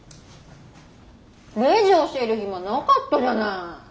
レジ教える暇なかったじゃない。